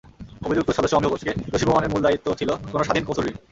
অভিযুক্ত সদস্য অমিয় ঘোষকে দোষী প্রমাণের মূল দায়িত্ব ছিল কোনো স্বাধীন কৌঁসুলির।